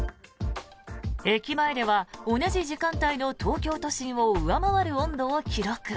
駅前では同じ時間帯の東京都心を上回る温度を記録。